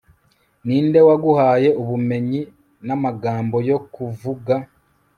ninde waguhaye ubumenyi namagambo yo kuvuga